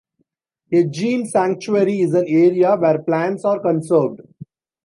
A gene sanctuary is an area where plants are conserved.